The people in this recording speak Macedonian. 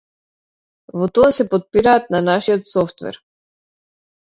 Во тоа се потпираат на нашиот софтвер.